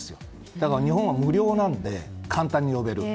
だけど、日本は無料なので簡単に呼べる。